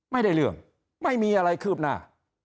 ไม่ได้เรื่องไม่มีอะไรคืบหน้า